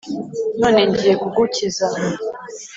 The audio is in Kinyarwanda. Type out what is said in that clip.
none ngiye kugukiza,